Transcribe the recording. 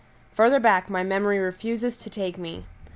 Further back my memory refuses to take me.